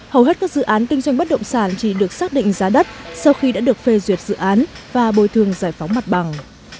hầu hết các dự án kinh doanh bất động sản chỉ được xác định giá đất sau khi đã được phê duyệt dự án và bồi thường giải phóng mặt bằng